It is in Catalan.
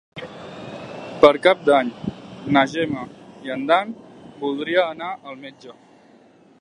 Per Cap d'Any na Gemma i en Dan voldria anar al metge.